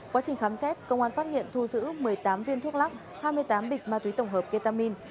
quá trình khám xét công an phát hiện thu giữ một mươi tám viên thuốc lắc hai mươi tám bịch ma túy tổng hợp ketamin